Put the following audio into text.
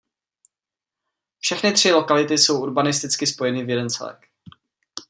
Všechny tři lokality jsou urbanisticky spojeny v jeden celek.